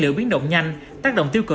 liệu biến động nhanh tác động tiêu cửa